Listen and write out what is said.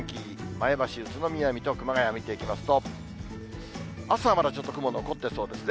前橋、宇都宮、水戸、熊谷見ていきますと、朝はまだちょっと雲、残ってそうですね。